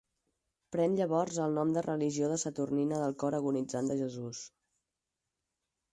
Pren llavors el nom de religió de Saturnina del Cor Agonitzant de Jesús.